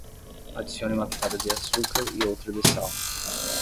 Adicione uma pitada de açúcar e outra de sal.